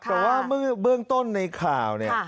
แต่ว่าเบื้องต้นในข่าวเนี่ย